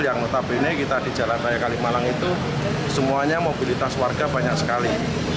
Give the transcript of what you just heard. yang notabene kita di jalan raya kalimalang itu semuanya mobilitas warga banyak sekali